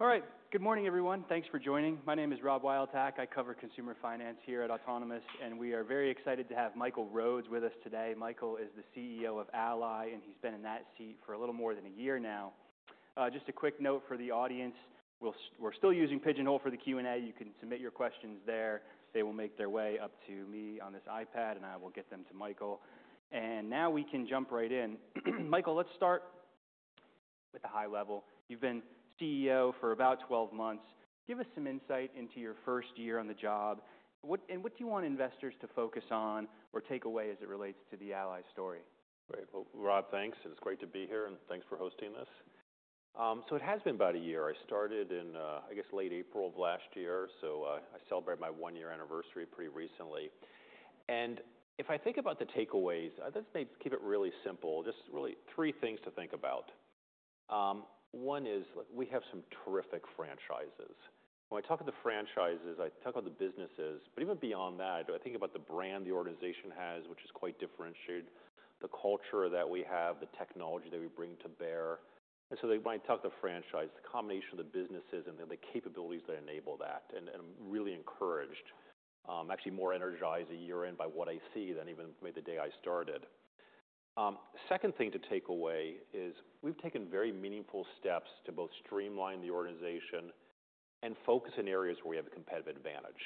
All right. Good morning, everyone. Thanks for joining. My name is Rob Wildhack. I cover consumer finance here at Autonomous, and we are very excited to have Michael Rhodes with us today. Michael is the CEO of Ally, and he's been in that seat for a little more than a year now. Just a quick note for the audience: we're still using Pigeonhole for the Q&A. You can submit your questions there. They will make their way up to me on this iPad, and I will get them to Michael. Now we can jump right in. Michael, let's start with the high level. You've been CEO for about 12 months. Give us some insight into your first year on the job. What do you want investors to focus on or take away as it relates to the Ally story? Right. Rob, thanks. It's great to be here, and thanks for hosting this. It has been about a year. I started in, I guess, late April of last year, so I celebrated my one-year anniversary pretty recently. If I think about the takeaways, let's keep it really simple. Just really three things to think about. One is we have some terrific franchises. When I talk to the franchises, I talk about the businesses. Even beyond that, I think about the brand the organization has, which is quite differentiated, the culture that we have, the technology that we bring to bear. When I talk to the franchise, the combination of the businesses and the capabilities that enable that, I'm really encouraged, actually more energized a year in by what I see than even maybe the day I started. Second thing to take away is we've taken very meaningful steps to both streamline the organization and focus in areas where we have a competitive advantage.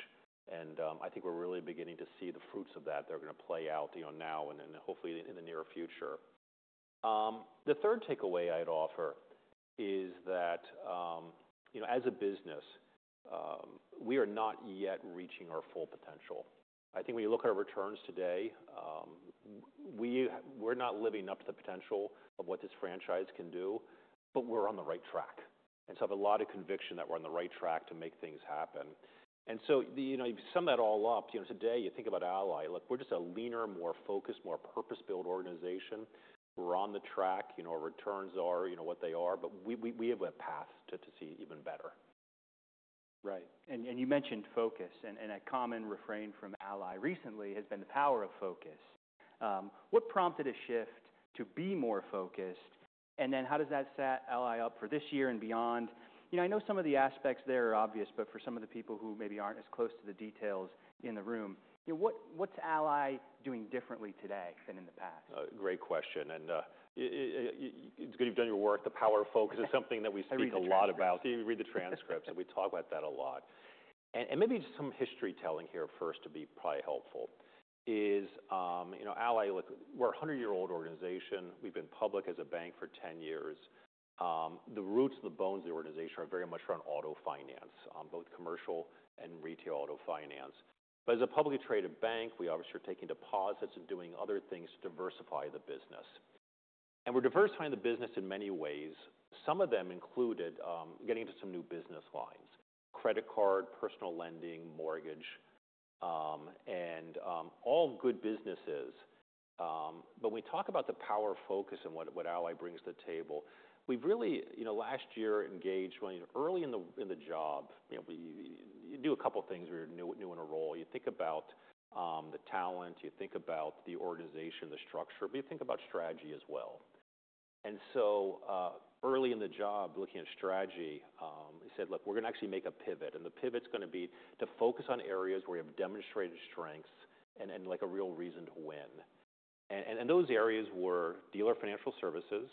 I think we're really beginning to see the fruits of that. They're going to play out now and hopefully in the near future. The third takeaway I'd offer is that as a business, we are not yet reaching our full potential. I think when you look at our returns today, we're not living up to the potential of what this franchise can do, but we're on the right track. I have a lot of conviction that we're on the right track to make things happen. If you sum that all up, today you think about Ally. Look, we're just a leaner, more focused, more purpose-built organization. We're on the track. Our returns are what they are, but we have a path to see even better. Right. You mentioned focus, and a common refrain from Ally recently has been the power of focus. What prompted a shift to be more focused? How does that set Ally up for this year and beyond? I know some of the aspects there are obvious, but for some of the people who maybe aren't as close to the details in the room, what's Ally doing differently today than in the past? Great question. It is good you've done your work. The power of focus is something that we speak a lot about. I agree. You read the transcripts, and we talk about that a lot. Maybe just some history telling here first to be probably helpful is Ally, we're a 100-year-old organization. We've been public as a bank for 10 years. The roots and the bones of the organization are very much around auto finance, both commercial and retail auto finance. As a publicly traded bank, we obviously are taking deposits and doing other things to diversify the business. We're diversifying the business in many ways. Some of them included getting into some new business lines: credit card, personal lending, mortgage, and all good businesses. When we talk about the power of focus and what Ally brings to the table, we've really, last year, engaged early in the job. You do a couple of things when you're new in a role. You think about the talent. You think about the organization, the structure. You think about strategy as well. Early in the job, looking at strategy, we said, "Look, we're going to actually make a pivot." The pivot's going to be to focus on areas where we have demonstrated strengths and a real reason to win. Those areas were dealer financial services.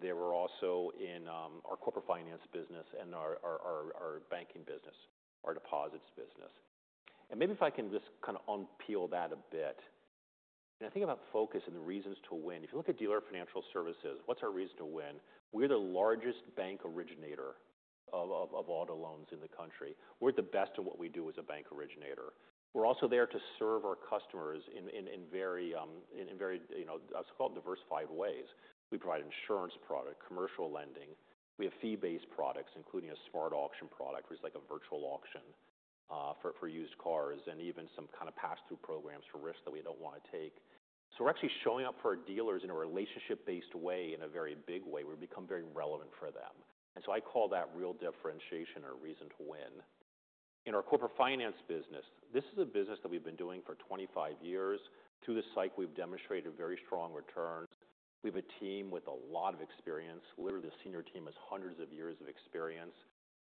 They were also in our corporate finance business and our banking business, our deposits business. Maybe if I can just kind of unpeel that a bit. When I think about focus and the reasons to win, if you look at dealer financial services, what's our reason to win? We're the largest bank originator of auto loans in the country. We're the best at what we do as a bank originator. We're also there to serve our customers in very, I'll just call it diversified ways. We provide insurance products, commercial lending. We have fee-based products, including a SmartAuction product, which is like a virtual auction for used cars and even some kind of pass-through programs for risks that we do not want to take. We are actually showing up for our dealers in a relationship-based way, in a very big way. We have become very relevant for them. I call that real differentiation or reason to win. In our corporate finance business, this is a business that we have been doing for 25 years. Through this cycle, we have demonstrated very strong returns. We have a team with a lot of experience. Literally, the senior team has hundreds of years of experience.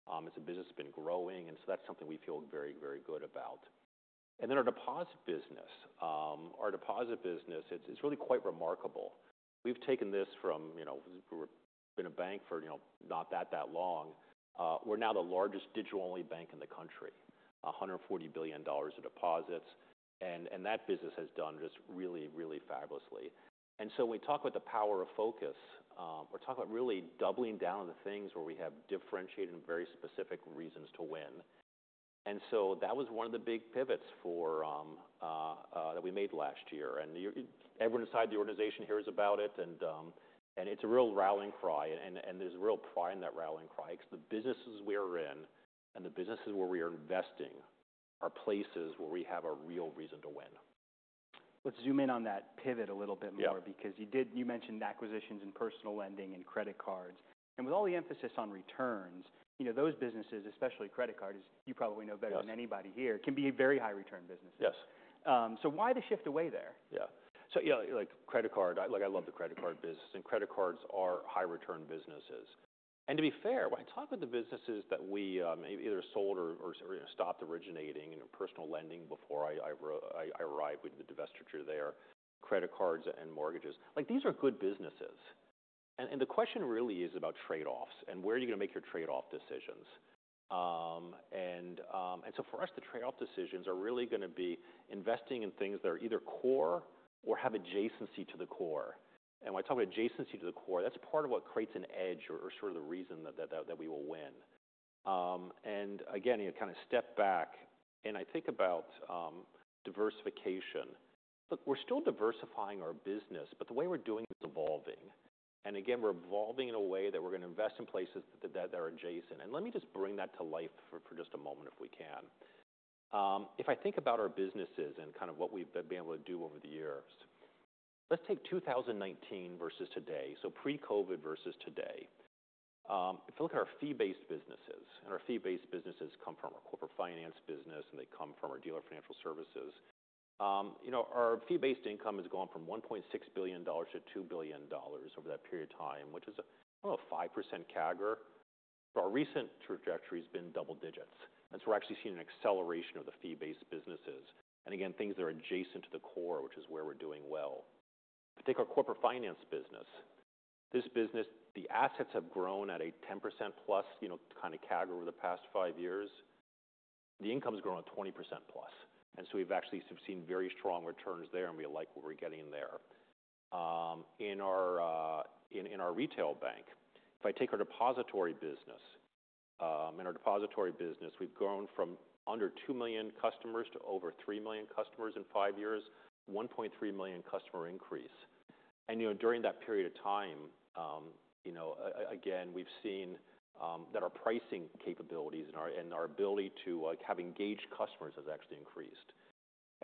It is a business that has been growing, and that is something we feel very, very good about. Then our deposit business. Our deposit business, it is really quite remarkable. We've taken this from we've been a bank for not that long. We're now the largest digital-only bank in the country, $140 billion of deposits. That business has done just really, really fabulously. When we talk about the power of focus, we're talking about really doubling down on the things where we have differentiated and very specific reasons to win. That was one of the big pivots that we made last year. Everyone inside the organization hears about it, and it's a real rallying cry. There's a real pride in that rallying cry because the businesses we are in and the businesses where we are investing are places where we have a real reason to win. Let's zoom in on that pivot a little bit more because you mentioned acquisitions and personal lending and credit cards. With all the emphasis on returns, those businesses, especially credit cards, you probably know better than anybody here, can be very high-return businesses. Yes. Why the shift away there? Yeah. Credit card, I love the credit card business. Credit cards are high-return businesses. To be fair, when I talk with the businesses that we either sold or stopped originating and personal lending before I arrived, we did the divestiture there, credit cards and mortgages. These are good businesses. The question really is about trade-offs and where you are going to make your trade-off decisions. For us, the trade-off decisions are really going to be investing in things that are either core or have adjacency to the core. When I talk about adjacency to the core, that is part of what creates an edge or sort of the reason that we will win. Again, kind of step back and I think about diversification. Look, we are still diversifying our business, but the way we are doing it is evolving. We're evolving in a way that we're going to invest in places that are adjacent. Let me just bring that to life for just a moment if we can. If I think about our businesses and kind of what we've been able to do over the years, let's take 2019 versus today, so pre-COVID versus today. If you look at our fee-based businesses, and our fee-based businesses come from our corporate finance business, and they come from our dealer financial services, our fee-based income has gone from $1.6 billion to $2 billion over that period of time, which is a 5% CAGR. Our recent trajectory has been double digits. We're actually seeing an acceleration of the fee-based businesses. Things that are adjacent to the core, which is where we're doing well. If you take our corporate finance business, this business, the assets have grown at a 10%+ kind of CAGR over the past five years. The income's grown at 20%+. We have actually seen very strong returns there, and we like what we're getting there. In our retail bank, if I take our depository business, in our depository business, we've grown from under 2 million customers to over 3 million customers in five years, 1.3 million customer increase. During that period of time, again, we've seen that our pricing capabilities and our ability to have engaged customers has actually increased.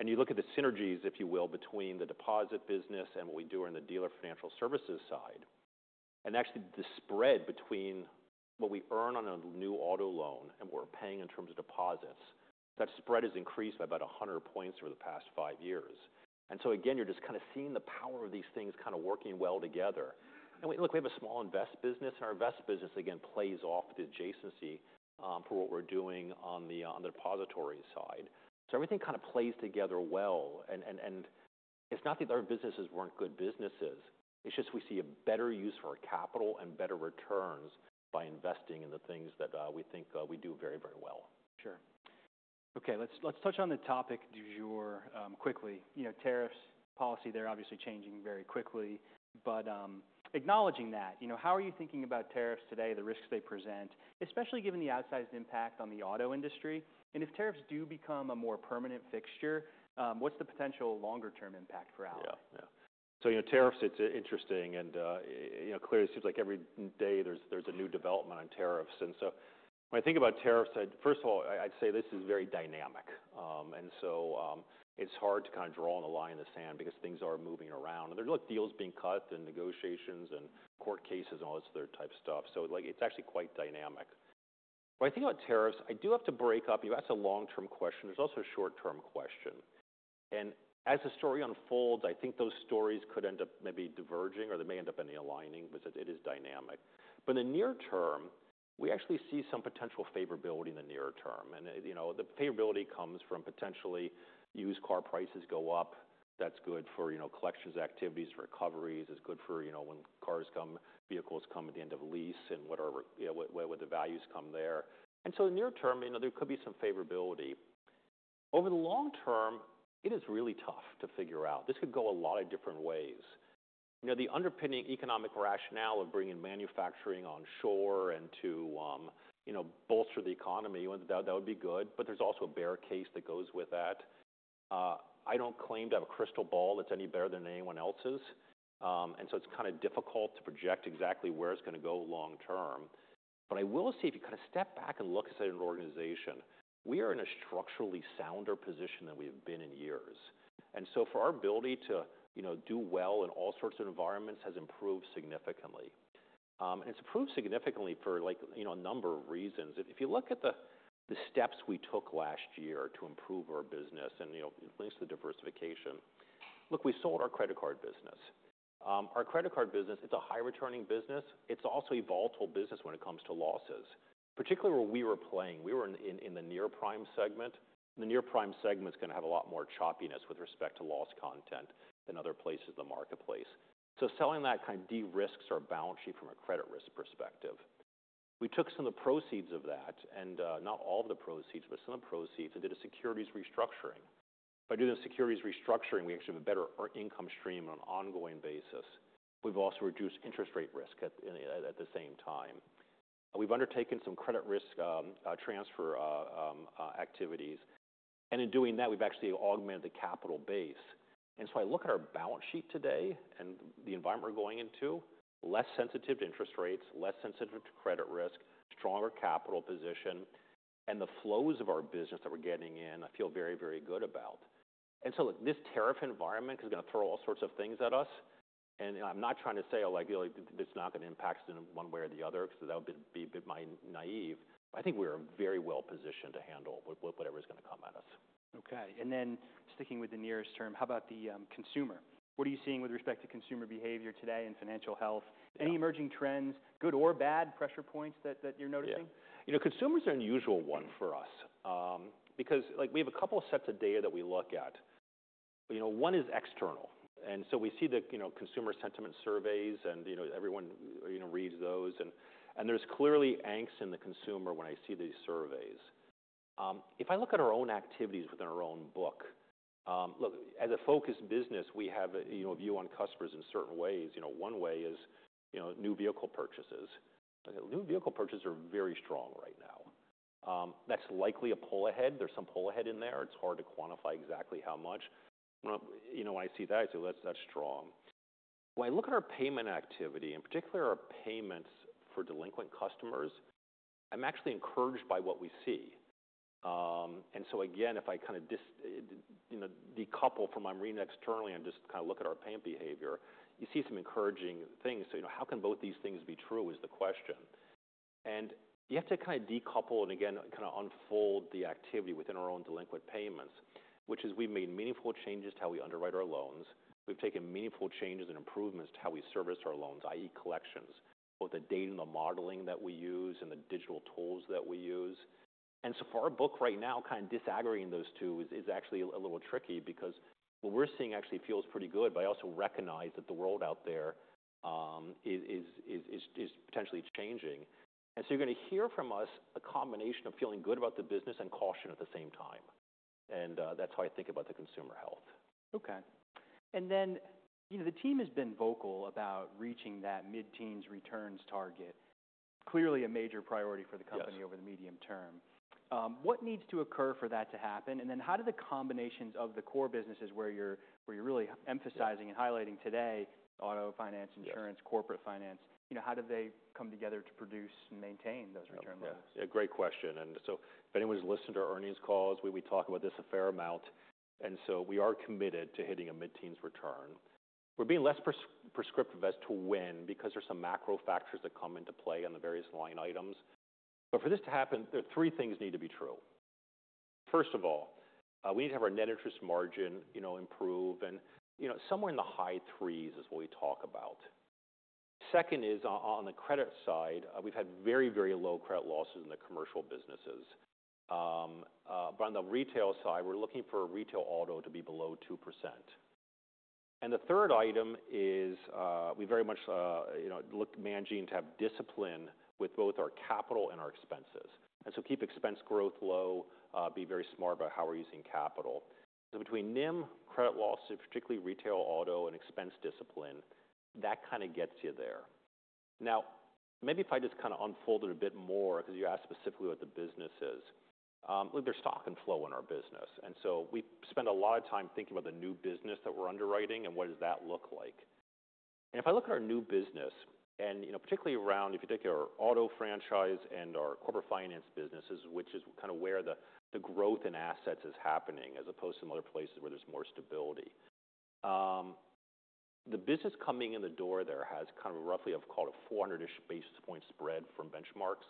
You look at the synergies, if you will, between the deposit business and what we do on the dealer financial services side, and actually the spread between what we earn on a new auto loan and what we're paying in terms of deposits, that spread has increased by about 100 points over the past five years. You are just kind of seeing the power of these things kind of working well together. We have a small invest business, and our invest business, again, plays off the adjacency for what we're doing on the depository side. Everything kind of plays together well. It is not that our businesses were not good businesses. We just see a better use for our capital and better returns by investing in the things that we think we do very, very well. Sure. Okay. Let's touch on the topic du jour quickly. Tariffs policy there, obviously, changing very quickly. But acknowledging that, how are you thinking about tariffs today, the risks they present, especially given the outsized impact on the auto industry? And if tariffs do become a more permanent fixture, what's the potential longer-term impact for Ally? Yeah. Yeah. Tariffs, it's interesting. Clearly, it seems like every day there's a new development on tariffs. When I think about tariffs, first of all, I'd say this is very dynamic. It's hard to kind of draw a line in the sand because things are moving around. There's deals being cut and negotiations and court cases and all this other type of stuff. It's actually quite dynamic. When I think about tariffs, I do have to break up. That's a long-term question. There's also a short-term question. As the story unfolds, I think those stories could end up maybe diverging, or they may end up aligning because it is dynamic. In the near term, we actually see some potential favorability in the near term. The favorability comes from potentially used car prices go up. That's good for collections activities, recoveries. It's good for when cars come, vehicles come at the end of lease and what the values come there. In the near term, there could be some favorability. Over the long term, it is really tough to figure out. This could go a lot of different ways. The underpinning economic rationale of bringing manufacturing onshore and to bolster the economy, that would be good. There's also a bear case that goes with that. I don't claim to have a crystal ball that's any better than anyone else's. It's kind of difficult to project exactly where it's going to go long term. I will say if you kind of step back and look at an organization, we are in a structurally sounder position than we have been in years. Our ability to do well in all sorts of environments has improved significantly. It has improved significantly for a number of reasons. If you look at the steps we took last year to improve our business, it links to the diversification. Look, we sold our credit card business. Our credit card business, it is a high-returning business. It is also a volatile business when it comes to losses, particularly where we were playing. We were in the near-prime segment. The near-prime segment is going to have a lot more choppiness with respect to loss content than other places in the marketplace. Selling that kind of derisks our balance sheet from a credit risk perspective. We took some of the proceeds of that, and not all of the proceeds, but some of the proceeds, and did a securities restructuring. By doing the securities restructuring, we actually have a better income stream on an ongoing basis. We have also reduced interest rate risk at the same time. We have undertaken some credit risk transfer activities. In doing that, we have actually augmented the capital base. I look at our balance sheet today and the environment we are going into, less sensitive to interest rates, less sensitive to credit risk, stronger capital position. The flows of our business that we are getting in, I feel very, very good about. This tariff environment is going to throw all sorts of things at us. I am not trying to say it is not going to impact us in one way or the other because that would be a bit naive. I think we are very well positioned to handle whatever is going to come at us. Okay. Sticking with the nearest term, how about the consumer? What are you seeing with respect to consumer behavior today and financial health? Any emerging trends, good or bad, pressure points that you're noticing? Yeah. Consumers are an unusual one for us because we have a couple of sets of data that we look at. One is external. We see the consumer sentiment surveys, and everyone reads those. There is clearly angst in the consumer when I see these surveys. If I look at our own activities within our own book, look, as a focused business, we have a view on customers in certain ways. One way is new vehicle purchases. New vehicle purchases are very strong right now. That is likely a pull ahead. There is some pull ahead in there. It is hard to quantify exactly how much. When I see that, I say, "That is strong." When I look at our payment activity, in particular our payments for delinquent customers, I am actually encouraged by what we see. If I kind of decouple from what I'm reading externally and just kind of look at our payment behavior, you see some encouraging things. How can both these things be true is the question. You have to kind of decouple and again kind of unfold the activity within our own delinquent payments, which is we've made meaningful changes to how we underwrite our loans. We've taken meaningful changes and improvements to how we service our loans, i.e., collections, both the data and the modeling that we use and the digital tools that we use. For our book right now, kind of disaggregating those two is actually a little tricky because what we're seeing actually feels pretty good, but I also recognize that the world out there is potentially changing. You're going to hear from us a combination of feeling good about the business and caution at the same time. That's how I think about the consumer health. Okay. The team has been vocal about reaching that mid-teens returns target, clearly a major priority for the company over the medium term. What needs to occur for that to happen? How do the combinations of the core businesses where you're really emphasizing and highlighting today, auto finance, insurance, corporate finance, how do they come together to produce and maintain those return levels? Yeah. Yeah. Great question. If anyone's listened to our earnings calls, we talk about this a fair amount. We are committed to hitting a mid-teens return. We're being less prescriptive as to when because there's some macro factors that come into play on the various line items. For this to happen, there are three things that need to be true. First of all, we need to have our Net Interest Margin improve, and somewhere in the high three's is what we talk about. Second is on the credit side, we've had very, very low credit losses in the commercial businesses. On the retail side, we're looking for retail auto to be below 2%. The third item is we very much look at managing to have discipline with both our capital and our expenses. Keep expense growth low, be very smart about how we're using capital. Between NIM, credit losses, particularly retail auto, and expense discipline, that kind of gets you there. Maybe if I just kind of unfold it a bit more because you asked specifically what the business is, look, there's stock and flow in our business. We spend a lot of time thinking about the new business that we're underwriting and what does that look like. If I look at our new business, and particularly around, if you take our auto franchise and our corporate finance businesses, which is kind of where the growth in assets is happening as opposed to some other places where there's more stability. The business coming in the door there has kind of a roughly, I've called a 400-ish basis points spread from benchmarks.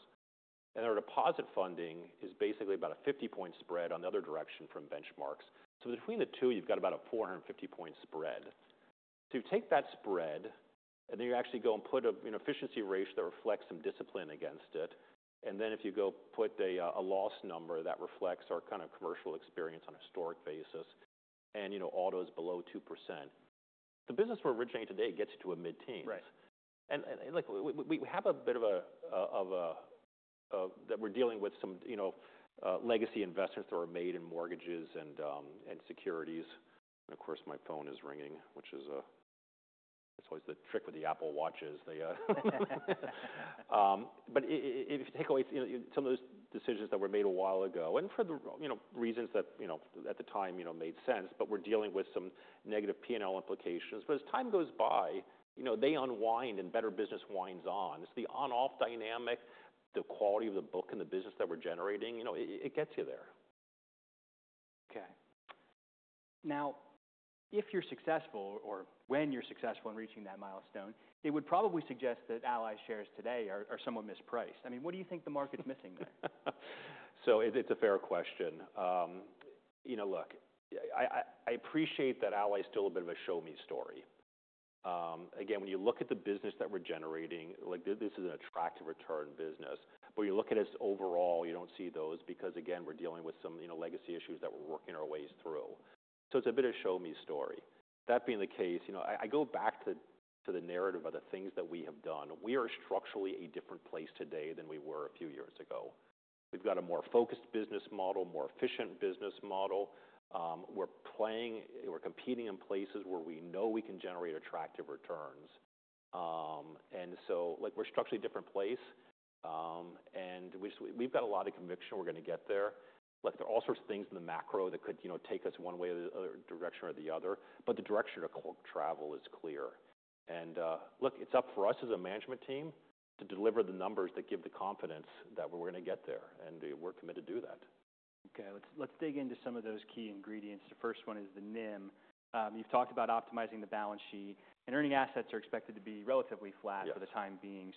Our deposit funding is basically about a 50-point spread on the other direction from benchmarks. Between the two, you've got about a 450-point spread. You take that spread, and then you actually go and put an efficiency ratio that reflects some discipline against it. If you go put a loss number that reflects our kind of commercial experience on a historic basis, and auto is below 2%. The business we're originating today gets you to a mid-teens. Look, we have a bit of a that we're dealing with some legacy investments that were made in mortgages and securities. Of course, my phone is ringing, which is always the trick with the Apple Watches. If you take away some of those decisions that were made a while ago, and for the reasons that at the time made sense, but we're dealing with some negative P&L implications. As time goes by, they unwind and better business winds on. It's the on/off dynamic, the quality of the book and the business that we're generating. It gets you there. Okay. Now, if you're successful, or when you're successful in reaching that milestone, it would probably suggest that Ally shares today are somewhat mispriced. I mean, what do you think the market's missing there? It's a fair question. Look, I appreciate that Ally's still a bit of a show-me story. Again, when you look at the business that we're generating, this is an attractive return business. When you look at us overall, you don't see those because, again, we're dealing with some legacy issues that we're working our ways through. It's a bit of a show-me story. That being the case, I go back to the narrative of the things that we have done. We are structurally a different place today than we were a few years ago. We've got a more focused business model, more efficient business model. We're playing or competing in places where we know we can generate attractive returns. We're structurally a different place. We've got a lot of conviction we're going to get there. Look, there are all sorts of things in the macro that could take us one way or the other. The direction of travel is clear. Look, it's up for us as a management team to deliver the numbers that give the confidence that we're going to get there. We're committed to do that. Okay. Let's dig into some of those key ingredients. The first one is the NIM. You've talked about optimizing the balance sheet. And earning assets are expected to be relatively flat for the time being.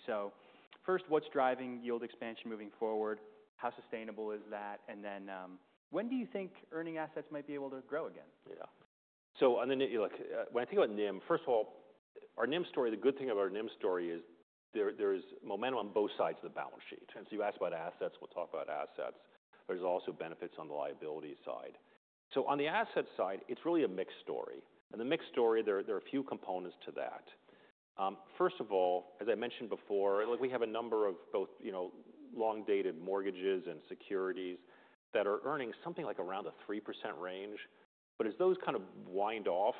First, what's driving yield expansion moving forward? How sustainable is that? When do you think earning assets might be able to grow again? Yeah. So when I think about NIM, first of all, our NIM story, the good thing about our NIM story is there is momentum on both sides of the balance sheet. You asked about assets. We'll talk about assets. There's also benefits on the liability side. On the asset side, it's really a mixed story. The mixed story, there are a few components to that. First of all, as I mentioned before, we have a number of both long-dated mortgages and securities that are earning something like around a 3% range. As those kind of wind off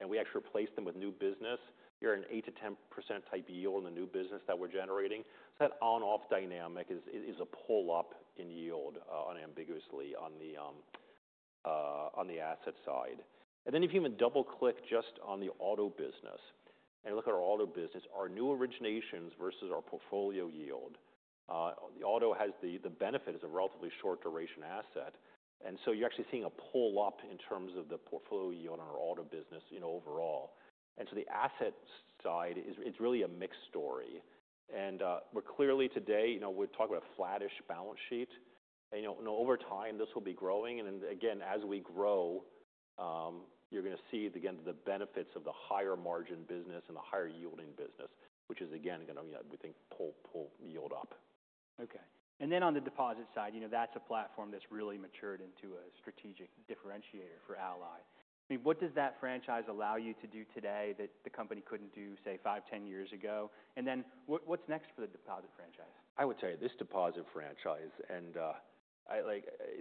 and we actually replace them with new business, you're at an 8%-10% type yield in the new business that we're generating. That on/off dynamic is a pull up in yield, unambiguously, on the asset side. If you even double-click just on the auto business and look at our auto business, our new originations versus our portfolio yield, the auto has the benefit as a relatively short duration asset. You are actually seeing a pull up in terms of the portfolio yield on our auto business overall. The asset side, it's really a mixed story. Clearly today, we're talking about a flattish balance sheet. Over time, this will be growing. As we grow, you're going to see again the benefits of the higher margin business and the higher yielding business, which is again going to, we think, pull yield up. Okay. And then on the deposit side, that's a platform that's really matured into a strategic differentiator for Ally. I mean, what does that franchise allow you to do today that the company couldn't do, say, five, 10 years ago? And then what's next for the deposit franchise? I would tell you this deposit franchise, and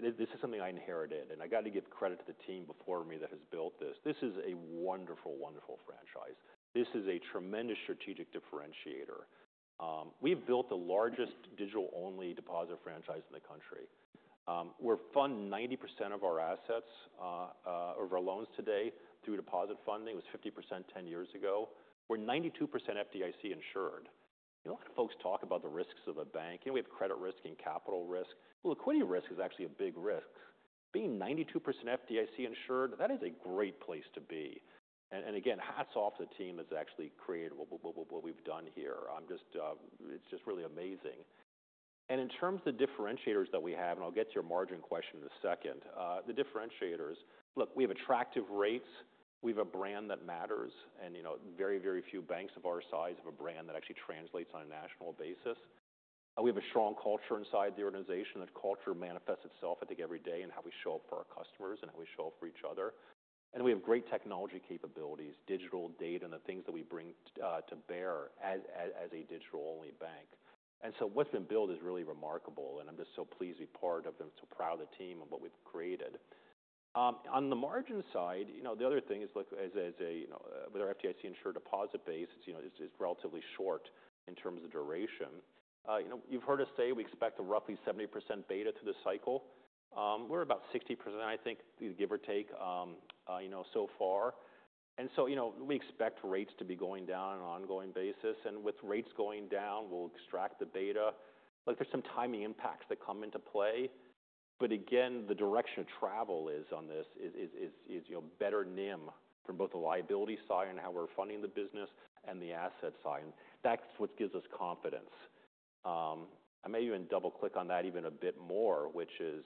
this is something I inherited. I got to give credit to the team before me that has built this. This is a wonderful, wonderful franchise. This is a tremendous strategic differentiator. We have built the largest digital-only deposit franchise in the country. We are funding 90% of our assets, of our loans today, through deposit funding. It was 50% 10 years ago. We are 92% FDIC insured. A lot of folks talk about the risks of a bank. We have credit risk and capital risk. Liquidity risk is actually a big risk. Being 92% FDIC insured, that is a great place to be. Hats off to the team that has actually created what we have done here. It is just really amazing. In terms of the differentiators that we have, I'll get to your margin question in a second. The differentiators, look, we have attractive rates. We have a brand that matters. Very, very few banks of our size have a brand that actually translates on a national basis. We have a strong culture inside the organization. That culture manifests itself, I think, every day in how we show up for our customers and how we show up for each other. We have great technology capabilities, digital data, and the things that we bring to bear as a digital-only bank. What has been built is really remarkable. I'm just so pleased to be part of and so proud of the team and what we've created. On the margin side, the other thing is, look, with our FDIC insured deposit base, it's relatively short in terms of duration. You've heard us say we expect a roughly 70% beta through the cycle. We're about 60%, I think, give or take so far. We expect rates to be going down on an ongoing basis. With rates going down, we'll extract the beta. Look, there's some timing impacts that come into play. Again, the direction of travel on this is better NIM from both the liability side and how we're funding the business and the asset side. That's what gives us confidence. I may even double-click on that even a bit more, which is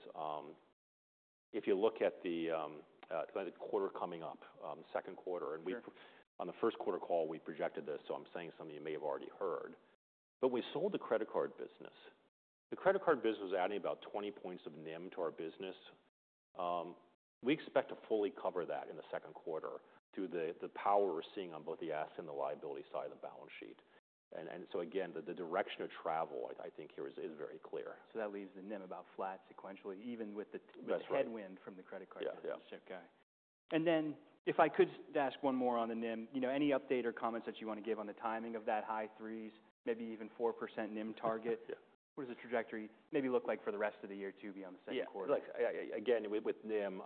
if you look at the quarter coming up, second quarter. On the first quarter call, we projected this. I'm saying something you may have already heard. We sold the credit card business. The credit card business was adding about 20 percentage points of NIM to our business. We expect to fully cover that in the second quarter through the power we're seeing on both the asset and the liability side of the balance sheet. I think the direction of travel here is very clear. That leaves the NIM about flat sequentially, even with the headwind from the credit card business. That's right. Okay. If I could ask one more on the NIM, any update or comments that you want to give on the timing of that high threes, maybe even 4% NIM target? What does the trajectory maybe look like for the rest of the year to be on the second quarter? Yeah. Look, again, with NIM,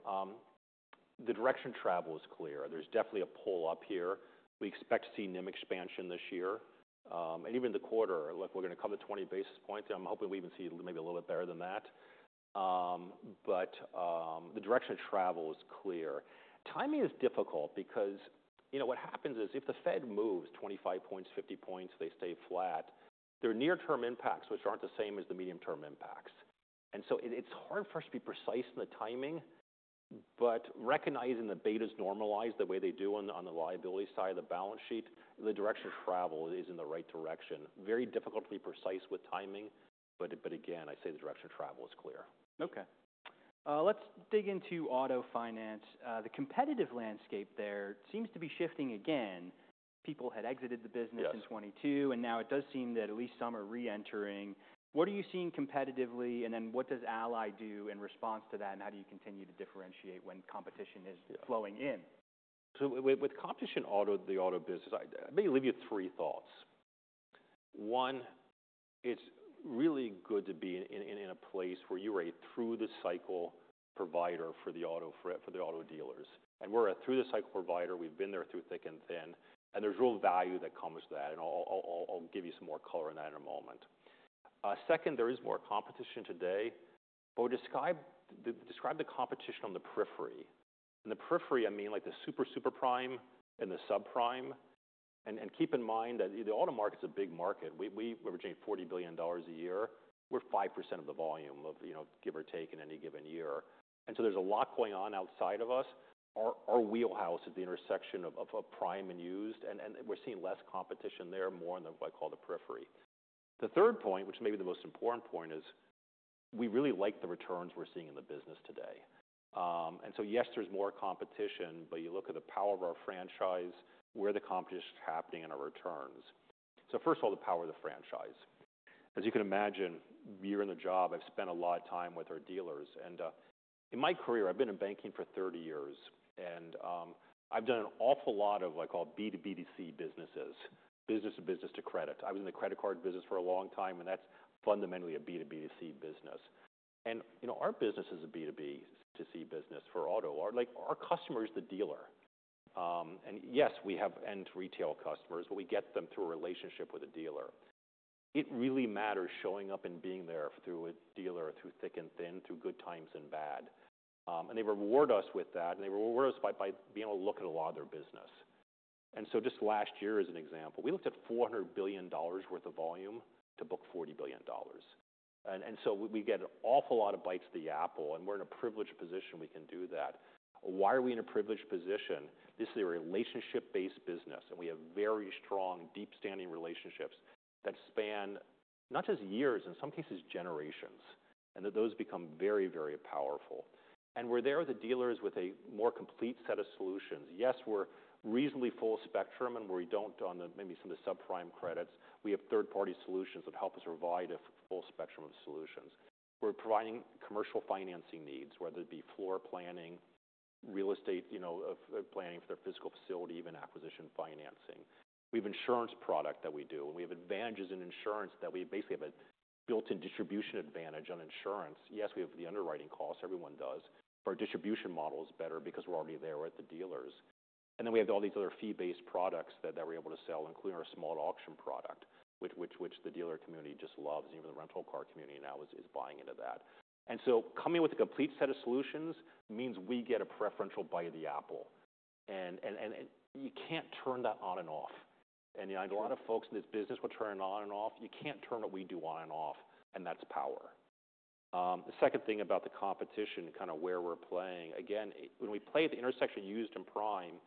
the direction of travel is clear. There's definitely a pull up here. We expect to see NIM expansion this year. Even the quarter, look, we're going to come to 20 basis points. I'm hoping we even see maybe a little bit better than that. The direction of travel is clear. Timing is difficult because what happens is if the Fed moves 25 points, 50 points, they stay flat, there are near-term impacts which aren't the same as the medium-term impacts. It is hard for us to be precise in the timing. Recognizing the betas normalize the way they do on the liability side of the balance sheet, the direction of travel is in the right direction. Very difficult to be precise with timing. Again, I say the direction of travel is clear. Okay. Let's dig into auto finance. The competitive landscape there seems to be shifting again. People had exited the business in 2022. Now it does seem that at least some are re-entering. What are you seeing competitively? What does Ally do in response to that? How do you continue to differentiate when competition is flowing in? With competition, the auto business, I may leave you three thoughts. One, it's really good to be in a place where you are a through-the-cycle provider for the auto dealers. And we're a through-the-cycle provider. We've been there through thick and thin. There's real value that comes to that. I'll give you some more color on that in a moment. Second, there is more competition today. I describe the competition on the periphery. The periphery, I mean like the super, super prime and the subprime. Keep in mind that the auto market's a big market. We're generating $40 billion a year. We're 5% of the volume, give or take, in any given year. There's a lot going on outside of us. Our wheelhouse is the intersection of prime and used. We're seeing less competition there, more in what I call the periphery. The third point, which may be the most important point, is we really like the returns we're seeing in the business today. Yes, there's more competition. You look at the power of our franchise, where the competition is happening in our returns. First of all, the power of the franchise. As you can imagine, you're in the job. I've spent a lot of time with our dealers. In my career, I've been in banking for 30 years. I've done an awful lot of what I call B2B2C businesses, business to business to credit. I was in the credit card business for a long time, and that's fundamentally a B2B2C business. Our business is a B2B2C business for auto. Our customer is the dealer. Yes, we have end retail customers, but we get them through a relationship with a dealer. It really matters showing up and being there through a dealer, through thick and thin, through good times and bad. They reward us with that. They reward us by being able to look at a lot of their business. Just last year, as an example, we looked at $400 billion worth of volume to book $40 billion. We get an awful lot of bites at the apple. We are in a privileged position. We can do that. Why are we in a privileged position? This is a relationship-based business. We have very strong, deep-standing relationships that span not just years, in some cases, generations. Those become very, very powerful. We are there with the dealers with a more complete set of solutions. Yes, we are reasonably full spectrum. We do not on maybe some of the subprime credits. We have third-party solutions that help us provide a full spectrum of solutions. We're providing commercial financing needs, whether it be floor planning, real estate planning for their physical facility, even acquisition financing. We have insurance products that we do. And we have advantages in insurance that we basically have a built-in distribution advantage on insurance. Yes, we have the underwriting costs. Everyone does. But our distribution model is better because we're already there at the dealers. And then we have all these other fee-based products that we're able to sell, including our SmartAuction product, which the dealer community just loves. And even the rental car community now is buying into that. And so coming with a complete set of solutions means we get a preferential bite of the apple. And you can't turn that on and off. A lot of folks in this business will turn it on and off. You can't turn what we do on and off. That is power. The second thing about the competition, kind of where we're playing, again, when we play at the intersection of used and prime,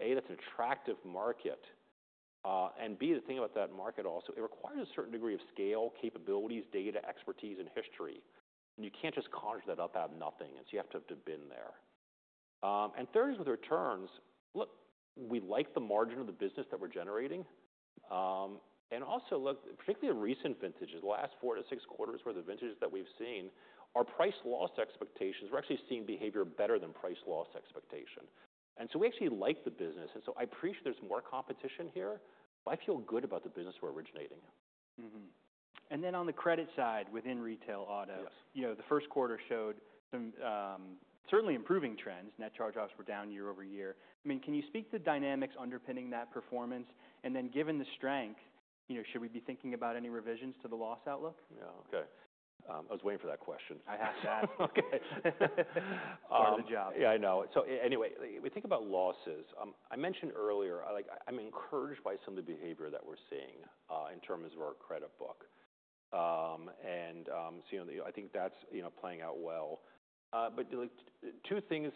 A, that's an attractive market. B, the thing about that market also, it requires a certain degree of scale, capabilities, data, expertise, and history. You can't just conjure that up out of nothing. You have to have been there. Third is with returns. Look, we like the margin of the business that we're generating. Also, look, particularly in recent vintages, the last four to six quarters were the vintages that we've seen, our price loss expectations, we're actually seeing behavior better than price loss expectation. We actually like the business. I appreciate there's more competition here. I feel good about the business we're originating. On the credit side within retail auto, the first quarter showed some certainly improving trends. Net charge-offs were down year over year. I mean, can you speak to the dynamics underpinning that performance? Given the strength, should we be thinking about any revisions to the loss outlook? Yeah. Okay. I was waiting for that question. I asked that. Okay. Part of the job. Yeah, I know. Anyway, we think about losses. I mentioned earlier, I'm encouraged by some of the behavior that we're seeing in terms of our credit book. I think that's playing out well. Two things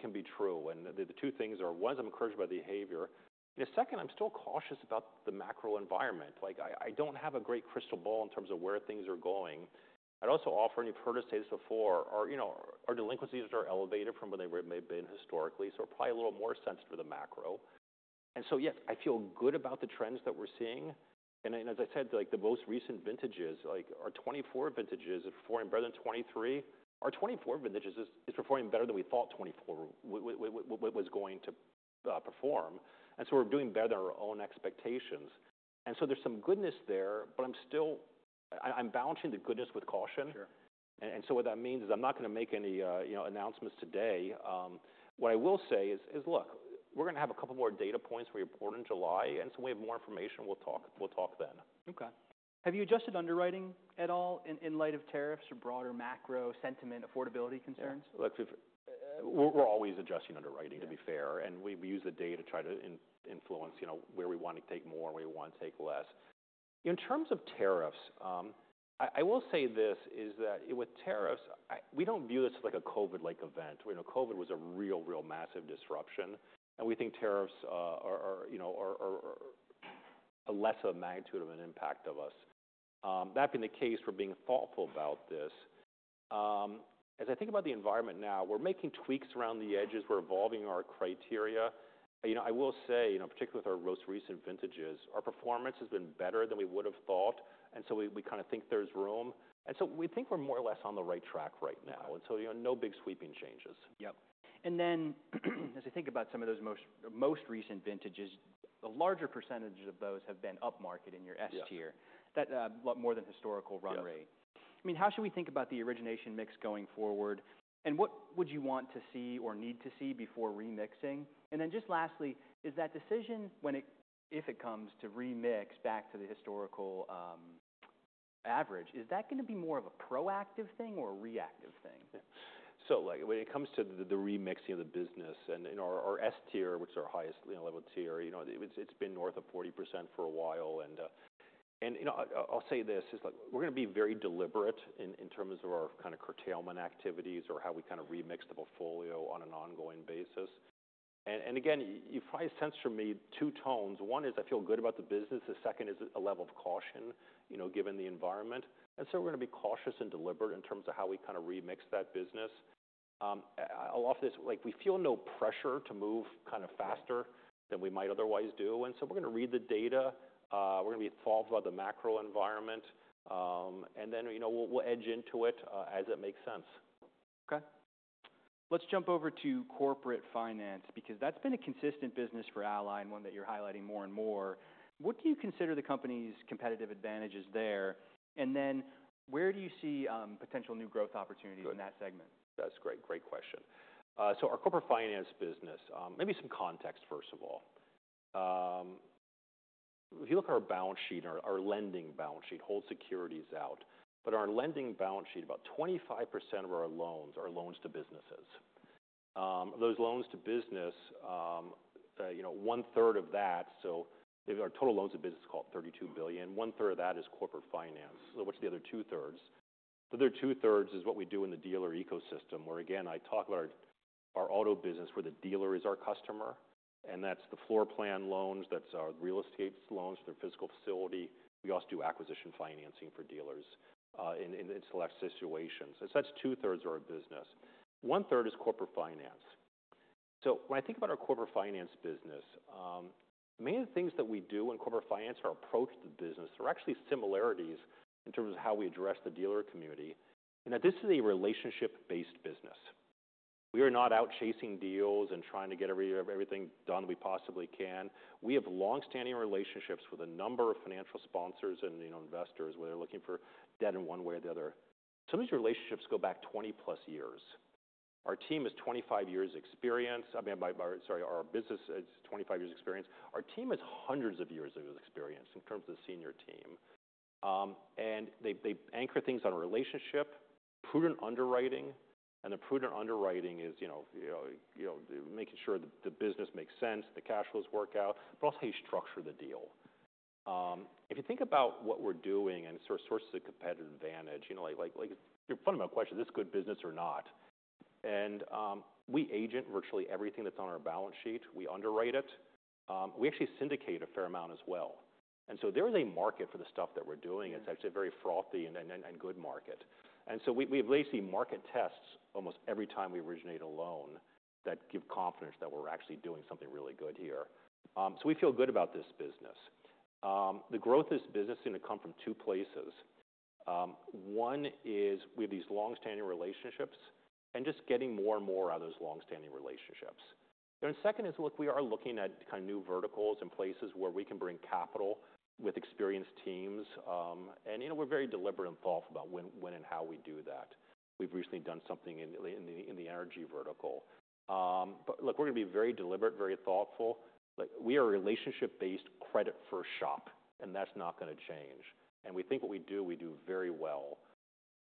can be true. The two things are, one, I'm encouraged by the behavior. Second, I'm still cautious about the macro environment. I don't have a great crystal ball in terms of where things are going. Also, often, you've heard us say this before, our delinquencies are elevated from where they may have been historically. We're probably a little more sensitive to the macro. Yes, I feel good about the trends that we're seeing. As I said, the most recent vintages, our 2024 vintages are performing better than 2023. Our 2024 vintages are performing better than we thought 2024 was going to perform. We're doing better than our own expectations. There's some goodness there. I'm balancing the goodness with caution. What that means is I'm not going to make any announcements today. What I will say is, look, we're going to have a couple more data points where we report in July. We have more information. We'll talk then. Okay. Have you adjusted underwriting at all in light of tariffs or broader macro sentiment affordability concerns? Look, we're always adjusting underwriting, to be fair. And we use the data to try to influence where we want to take more and where we want to take less. In terms of tariffs, I will say this is that with tariffs, we don't view this as like a COVID-like event. COVID was a real, real massive disruption. We think tariffs are less of a magnitude of an impact on us. That being the case, we're being thoughtful about this. As I think about the environment now, we're making tweaks around the edges. We're evolving our criteria. I will say, particularly with our most recent vintages, our performance has been better than we would have thought. We kind of think there's room. We think we're more or less on the right track right now. No big sweeping changes. Yep. As I think about some of those most recent vintages, a larger percentage of those have been upmarket in your S tier, a lot more than historical run rate. I mean, how should we think about the origination mix going forward? What would you want to see or need to see before remixing? Just lastly, is that decision, if it comes to remix back to the historical average, is that going to be more of a proactive thing or a reactive thing? When it comes to the remixing of the business, and our S Tier, which is our highest level tier, it's been north of 40% for a while. I'll say this. It's like we're going to be very deliberate in terms of our kind of curtailment activities or how we kind of remix the portfolio on an ongoing basis. Again, you probably sense from me two tones. One is I feel good about the business. The second is a level of caution given the environment. We're going to be cautious and deliberate in terms of how we kind of remix that business. I'll offer this. We feel no pressure to move kind of faster than we might otherwise do. We're going to read the data. We're going to be thoughtful about the macro environment. Then we'll edge into it as it makes sense. Okay. Let's jump over to corporate finance because that's been a consistent business for Ally and one that you're highlighting more and more. What do you consider the company's competitive advantages there? What do you see potential new growth opportunities in that segment? That's great. Great question. Our corporate finance business, maybe some context first of all. If you look at our balance sheet and our lending balance sheet, hold securities out. On our lending balance sheet, about 25% of our loans are loans to businesses. Those loans to businesses, one-third of that, so our total loans to businesses is, call it, $32 billion. 1/3 of that is corporate finance, the other 2/3 is what we do in the dealer ecosystem where, again, I talk about our auto business where the dealer is our customer. That's the floor plan loans. That's our real estate loans for their physical facility. We also do acquisition financing for dealers in select situations. That's 2/3 of our business. One-third is corporate finance. When I think about our corporate finance business, many of the things that we do in corporate finance, our approach to the business, there are actually similarities in terms of how we address the dealer community. This is a relationship-based business. We are not out chasing deals and trying to get everything done we possibly can. We have long-standing relationships with a number of financial sponsors and investors where they're looking for debt in one way or the other. Some of these relationships go back 20+ years. Our business has 25 years' experience. Our team has hundreds of years' experience in terms of the senior team. They anchor things on a relationship, prudent underwriting. The prudent underwriting is making sure the business makes sense, the cash flows work out, but also how you structure the deal. If you think about what we're doing and sort of sources of competitive advantage, like your fundamental question, is this good business or not? We agent virtually everything that's on our balance sheet. We underwrite it. We actually syndicate a fair amount as well. There is a market for the stuff that we're doing. It's actually a very frothy and good market. We have lazy market tests almost every time we originate a loan that give confidence that we're actually doing something really good here. We feel good about this business. The growth of this business is going to come from two places. One is we have these long-standing relationships and just getting more and more out of those long-standing relationships. Second is, look, we are looking at kind of new verticals and places where we can bring capital with experienced teams. We are very deliberate and thoughtful about when and how we do that. We've recently done something in the energy vertical. Look, we are going to be very deliberate, very thoughtful. We are a relationship-based credit-first shop. That is not going to change. We think what we do, we do very well.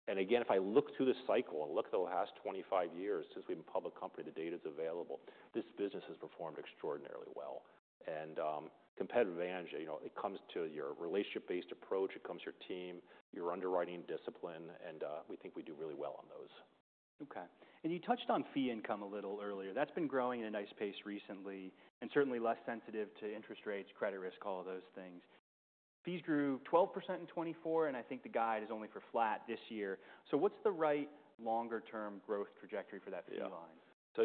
Again, if I look through the cycle and look at the last 25 years since we've been a public company, the data is available, this business has performed extraordinarily well. Competitive advantage comes to your relationship-based approach. It comes to your team, your underwriting discipline. We think we do really well on those. Okay. You touched on fee income a little earlier. That's been growing at a nice pace recently and certainly less sensitive to interest rates, credit risk, all of those things. Fees grew 12% in 2024. I think the guide is only for flat this year. What is the right longer-term growth trajectory for that fee line?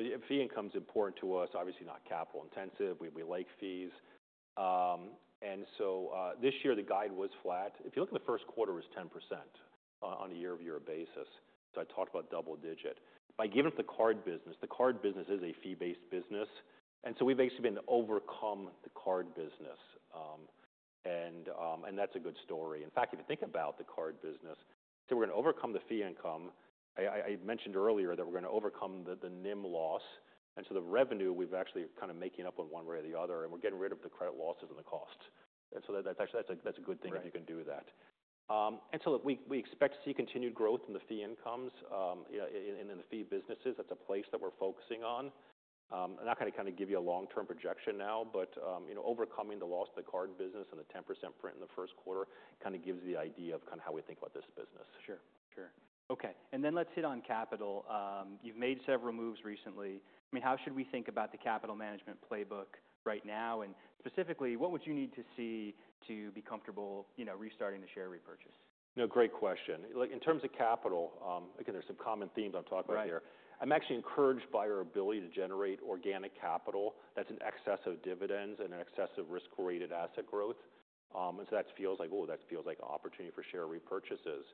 Yeah. Fee income is important to us, obviously not capital intensive. We like fees. This year, the guide was flat. If you look at the first quarter, it was 10% on a year-over-year basis. I talked about double-digit. By giving up the card business, the card business is a fee-based business. We have actually overcome the card business, and that's a good story. In fact, if you think about the card business, we are going to overcome the fee income. I mentioned earlier that we are going to overcome the NIM loss. The revenue, we have actually kind of made up on one way or the other. We are getting rid of the credit losses and the costs. That's actually a good thing if you can do that. We expect to see continued growth in the fee incomes and in the fee businesses. That is a place that we are focusing on. I am not going to kind of give you a long-term projection now. Overcoming the loss of the card business and the 10% print in the first quarter kind of gives the idea of kind of how we think about this business. Sure. Okay. And then let's hit on capital. You've made several moves recently. I mean, how should we think about the capital management playbook right now? Specifically, what would you need to see to be comfortable restarting the share repurchase? No, great question. In terms of capital, again, there are some common themes I am talking about here. I am actually encouraged by our ability to generate organic capital that is in excess of dividends and in excess of risk-weighted asset growth. That feels like, oh, that feels like an opportunity for share repurchases.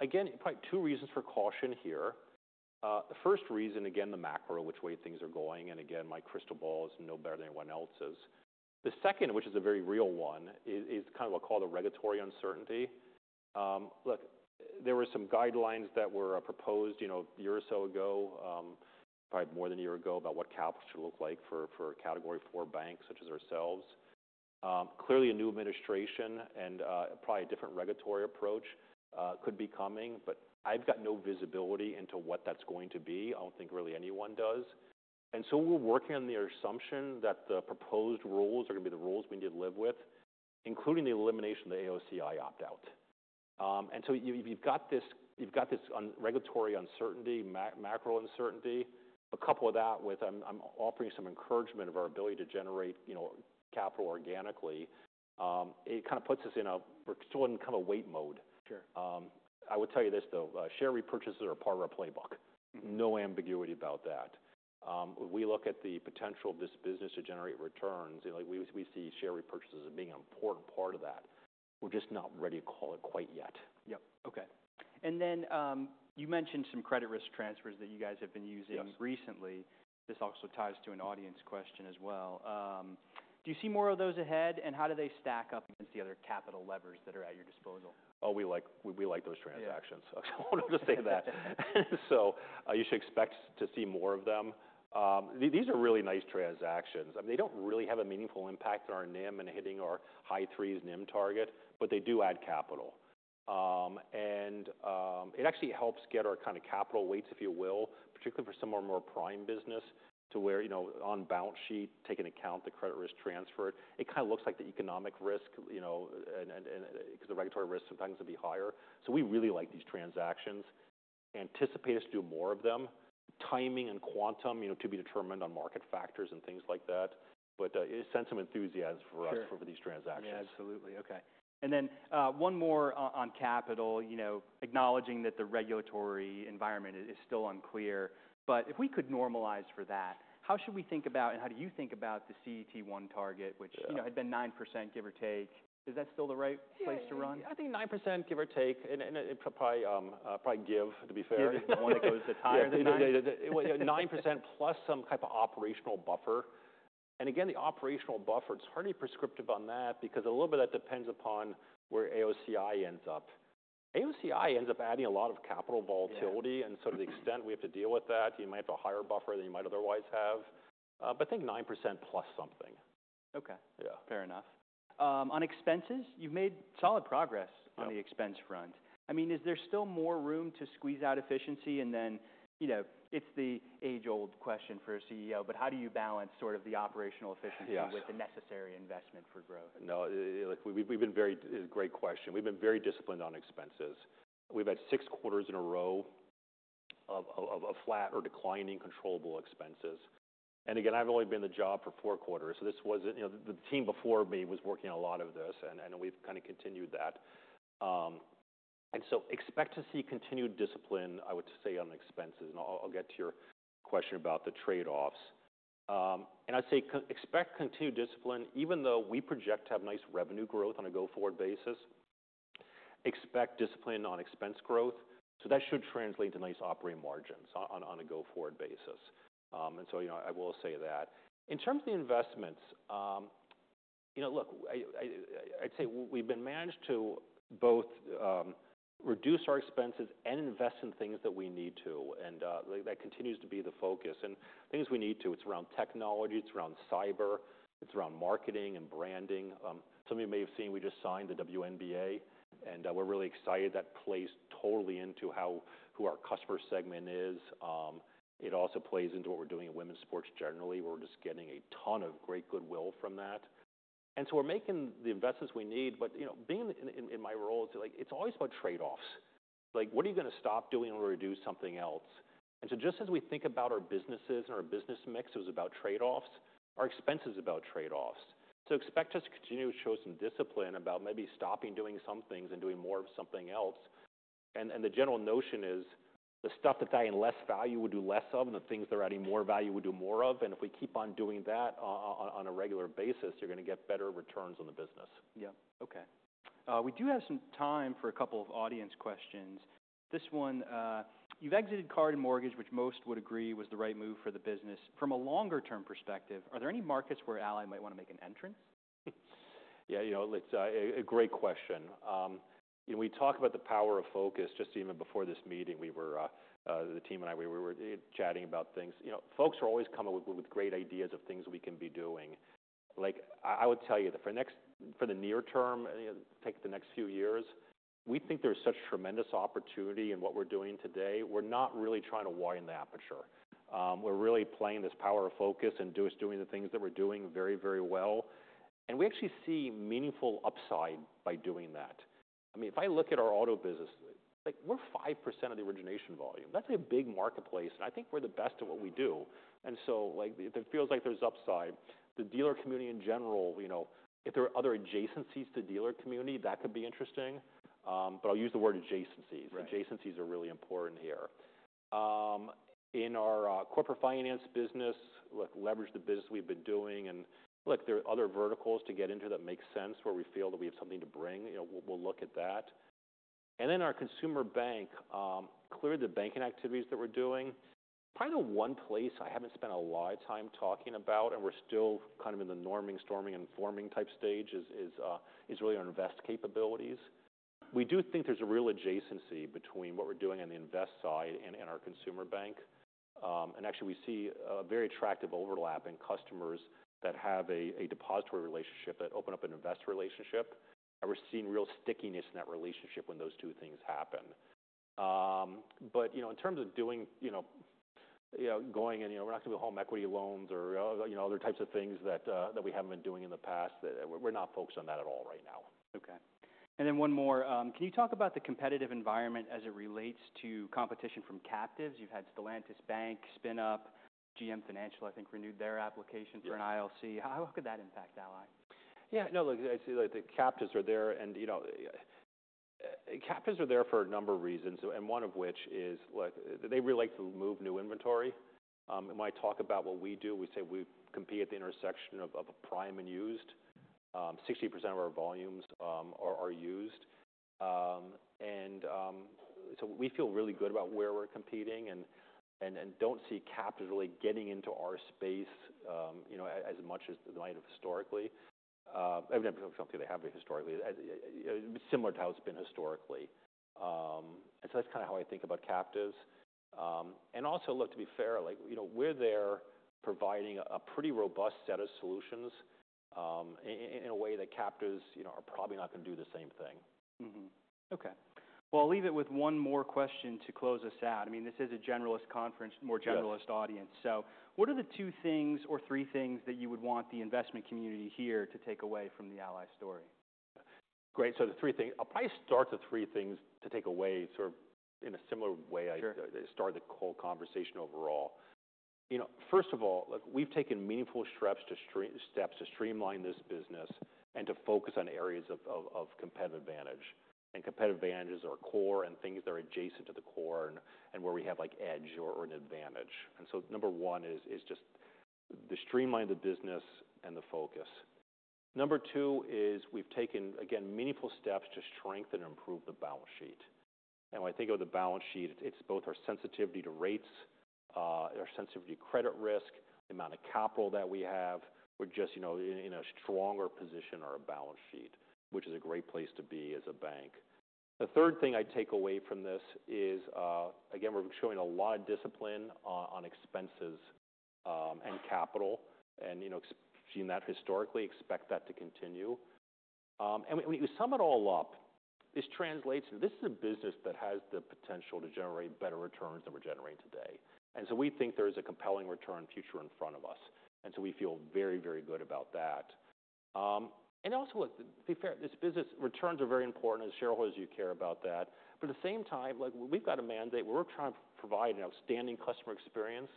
Again, probably two reasons for caution here. The first reason, again, the macro, which way things are going. My crystal ball is no better than anyone else's. The second, which is a very real one, is kind of what I call the regulatory uncertainty. Look, there were some guidelines that were proposed a year or so ago, probably more than a year ago about what capital should look like for category four banks such as ourselves. Clearly, a new administration and probably a different regulatory approach could be coming. I've got no visibility into what that's going to be. I don't think really anyone does. We're working on the assumption that the proposed rules are going to be the rules we need to live with, including the elimination of the AOCI opt-out. If you've got this regulatory uncertainty, macro uncertainty, couple that with I'm offering some encouragement of our ability to generate capital organically, it kind of puts us in a we're still in kind of a wait mode. I would tell you this, though. Share repurchases are part of our playbook. No ambiguity about that. We look at the potential of this business to generate returns. We see share repurchases as being an important part of that. We're just not ready to call it quite yet. Yep. Okay. You mentioned some credit risk transfers that you guys have been using recently. This also ties to an audience question as well. Do you see more of those ahead? How do they stack up against the other capital levers that are at your disposal? Oh, we like those transactions. I wanted to say that. You should expect to see more of them. These are really nice transactions. I mean, they do not really have a meaningful impact on our NIM and hitting our high-threes NIM target. They do add capital. It actually helps get our kind of capital weights, if you will, particularly for some of our more prime business to where on balance sheet, take into account the credit risk transferred. It kind of looks like the economic risk because the regulatory risk sometimes can be higher. We really like these transactions. Anticipate us to do more of them. Timing and quantum to be determined on market factors and things like that. It sends some enthusiasm for us for these transactions. Yeah. Absolutely. Okay. One more on capital, acknowledging that the regulatory environment is still unclear. If we could normalize for that, how should we think about and how do you think about the CET1 target, which had been 9%, give or take? Is that still the right place to run? Yeah. I think 9%, give or take, and probably give, to be fair, when it goes to tire. 9%+ some type of operational buffer. Again, the operational buffer, it's hardly prescriptive on that because a little bit of that depends upon where AOCI ends up. AOCI ends up adding a lot of capital volatility. To the extent we have to deal with that, you might have to hire a buffer than you might otherwise have. I think 9%+ something. Okay. Fair enough. On expenses, you've made solid progress on the expense front. I mean, is there still more room to squeeze out efficiency? I mean, it's the age-old question for a CEO. How do you balance sort of the operational efficiency with the necessary investment for growth? No. It's a great question. We've been very disciplined on expenses. We've had six quarters in a row of flat or declining controllable expenses. I've only been in the job for four quarters. The team before me was working on a lot of this. We've kind of continued that. Expect to see continued discipline, I would say, on expenses. I'll get to your question about the trade-offs. I'd say expect continued discipline, even though we project to have nice revenue growth on a go-forward basis, expect discipline on expense growth. That should translate into nice operating margins on a go-forward basis. I will say that. In terms of the investments, I'd say we've been managed to both reduce our expenses and invest in things that we need to. That continues to be the focus. It is around technology. It is around cyber. It is around marketing and branding. Some of you may have seen we just signed the WNBA. We are really excited. That plays totally into who our customer segment is. It also plays into what we are doing in women's sports generally, where we are just getting a ton of great goodwill from that. We are making the investments we need. Being in my role, it is always about trade-offs. What are you going to stop doing in order to do something else? Just as we think about our businesses and our business mix, it was about trade-offs. Our expenses are about trade-offs. Expect us to continue to show some discipline about maybe stopping doing some things and doing more of something else. The general notion is the stuff that's adding less value we'll do less of and the things that are adding more value we'll do more of. If we keep on doing that on a regular basis, you're going to get better returns on the business. Yep. Okay. We do have some time for a couple of audience questions. This one, you've exited card and mortgage, which most would agree was the right move for the business. From a longer-term perspective, are there any markets where Ally might want to make an entrance? Yeah. It's a great question. We talked about the power of focus just even before this meeting. The team and I, we were chatting about things. Folks are always coming up with great ideas of things we can be doing. I would tell you that for the near term, take the next few years, we think there's such tremendous opportunity in what we're doing today. We're not really trying to widen the aperture. We're really playing this power of focus and just doing the things that we're doing very, very well. We actually see meaningful upside by doing that. I mean, if I look at our auto business, we're 5% of the origination volume. That's a big marketplace. I think we're the best at what we do. It feels like there's upside. The dealer community in general, if there are other adjacencies to the dealer community, that could be interesting. I'll use the word adjacencies. Adjacencies are really important here. In our corporate finance business, look, leverage the business we've been doing. There are other verticals to get into that make sense where we feel that we have something to bring. We'll look at that. In our consumer bank, clearly the banking activities that we're doing, probably the one place I haven't spent a lot of time talking about and we're still kind of in the norming, storming, and forming type stage is really our invest capabilities. We do think there's a real adjacency between what we're doing on the invest side and our consumer bank. Actually, we see a very attractive overlap in customers that have a depository relationship that open up an invest relationship. We're seeing real stickiness in that relationship when those two things happen. In terms of going, we're not going to do home equity loans or other types of things that we haven't been doing in the past. We're not focused on that at all right now. Okay. One more. Can you talk about the competitive environment as it relates to competition from captives? You've had Stellantis bank spin up, GM Financial, I think, renewed their application for an ILC. How could that impact Ally? Yeah. No, look, I see the captives are there. Captives are there for a number of reasons. One of which is they really like to move new inventory. When I talk about what we do, we say we compete at the intersection of prime and used. 60% of our volumes are used. We feel really good about where we're competing and do not see captives really getting into our space as much as they might have historically. I mean, I do not think they have historically. It is similar to how it has been historically. That is kind of how I think about captives. Also, look, to be fair, we are there providing a pretty robust set of solutions in a way that captives are probably not going to do the same thing. Okay. I'll leave it with one more question to close us out. I mean, this is a more generalist audience. What are the two things or three things that you would want the investment community here to take away from the Ally story? Great. The three things, I'll probably start the three things to take away sort of in a similar way. I start the whole conversation overall. First of all, look, we've taken meaningful steps to streamline this business and to focus on areas of competitive advantage. Competitive advantages are core and things that are adjacent to the core and where we have edge or an advantage. Number one is just to streamline the business and the focus. Number two is we've taken, again, meaningful steps to strengthen and improve the balance sheet. When I think of the balance sheet, it's both our sensitivity to rates, our sensitivity to credit risk, the amount of capital that we have. We're just in a stronger position on our balance sheet, which is a great place to be as a bank. The third thing I take away from this is, again, we're showing a lot of discipline on expenses and capital. Seeing that historically, expect that to continue. When you sum it all up, this translates to this is a business that has the potential to generate better returns than we're generating today. We think there is a compelling return future in front of us. We feel very, very good about that. Also, look, to be fair, this business, returns are very important as shareholders. You care about that. At the same time, look, we've got a mandate. We're trying to provide an outstanding customer experience.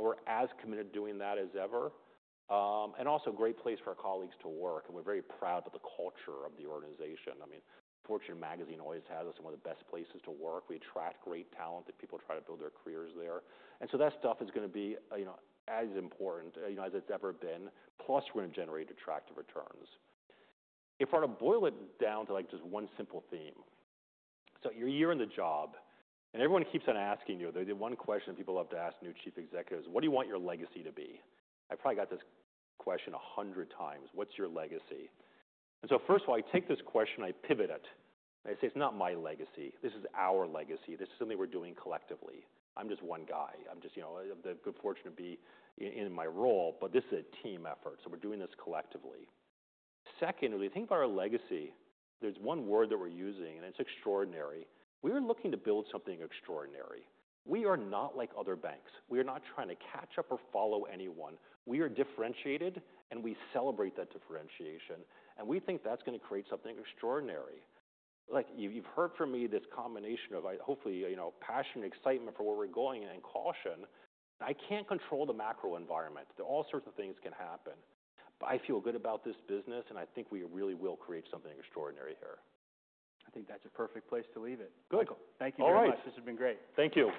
We're as committed to doing that as ever. Also, a great place for our colleagues to work. We're very proud of the culture of the organization. I mean, Fortune Magazine always has us in one of the best places to work. We attract great talent that people try to build their careers there. That stuff is going to be as important as it's ever been. Plus, we're going to generate attractive returns. If I were to boil it down to just one simple theme, you're in the job. Everyone keeps on asking you the one question that people love to ask new chief executives, what do you want your legacy to be? I probably got this question a 100 times. What's your legacy? First of all, I take this question, I pivot it. I say, it's not my legacy. This is our legacy. This is something we're doing collectively. I'm just one guy. I'm just the good fortune to be in my role. This is a team effort. We're doing this collectively. Second, when we think about our legacy, there's one word that we're using. It's extraordinary. We are looking to build something extraordinary. We are not like other banks. We are not trying to catch up or follow anyone. We are differentiated. We celebrate that differentiation. We think that's going to create something extraordinary. You've heard from me this combination of hopefully passion and excitement for where we're going and caution. I can't control the macro environment. There are all sorts of things that can happen. I feel good about this business. I think we really will create something extraordinary here. I think that's a perfect place to leave it. Good. Thank you very much. This has been great. Thank you.